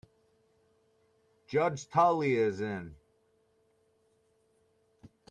Judge Tully is in.